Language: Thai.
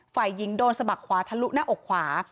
ฝ่ายหญิงโดนสะบักขวาทะลุหน้าอกขวา